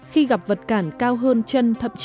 khi gặp vật cản cao hơn chân